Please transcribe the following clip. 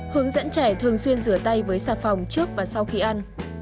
hướng dẫn trẻ thường xuyên rửa tay với xà phòng trước và sau khi ăn